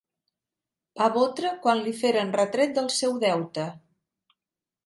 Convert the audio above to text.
Va botre quan li feren retret del seu deute.